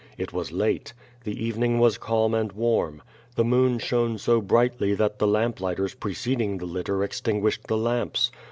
It was late. The evening was calm and warm. The moon shone so brightly that the lamplighters preceding the litter extin guished the lamps.